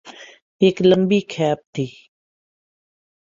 ایک لمبی کھیپ تھی۔